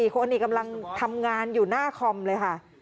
คนนี้กำลังทำงานอยู่หน้าคอมเลยค่ะ